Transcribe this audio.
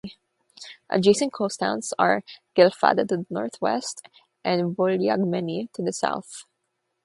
Adjacent coast towns are Glyfada to the northwest and Vouliagmeni to the south.